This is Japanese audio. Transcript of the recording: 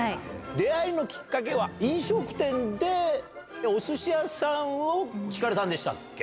出会いのきっかけは、飲食店でおすし屋さんを聞かれたんでしたっけ？